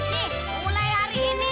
nih mulai hari ini